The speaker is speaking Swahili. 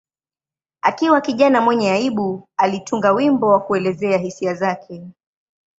Akiwa kijana mwenye aibu, alitunga wimbo wa kuelezea hisia zake.